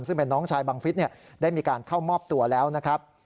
ซึ่งเป็นน้องชายบังฟิศได้มีการเข้ามอบตัวแล้วนะครับ